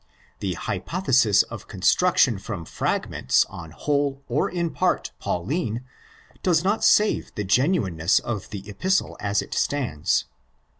The hypothesis of construction from fragments in whole or in part Pauline does not save the genuineness of the Epistle as it stands.